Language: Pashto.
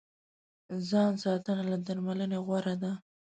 ځان ساتنه له درملنې غوره ده.